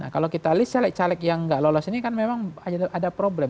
kalau kita lihat caleg caleg yang nggak lolos ini kan memang ada problem